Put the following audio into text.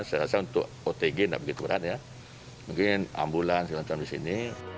saya rasa untuk otg tidak begitu berat ya mungkin ambulans segala macam di sini